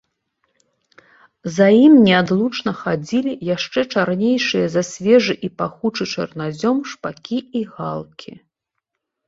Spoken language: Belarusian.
За ім неадлучна хадзілі яшчэ чарнейшыя за свежы і пахучы чарназём шпакі і галкі.